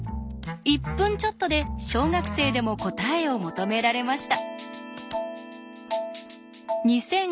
１分ちょっとで小学生でも答えを求められました。